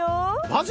マジ？